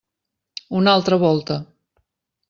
Una altra volta.